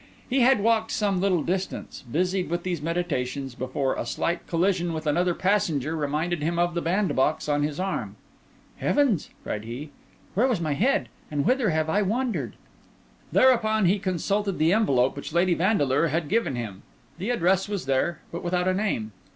He had walked some little distance, busied with these meditations, before a slight collision with another passenger reminded him of the bandbox on his arm. "Heavens!" cried he, "where was my head? and whither have I wandered?" Thereupon he consulted the envelope which Lady Vandeleur had given him. The address was there, but without a name.